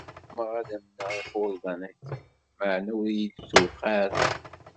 Gummaɣ ad amneɣ ixurḍan-aki, maɛna ur iyi-tuqiɛ ara.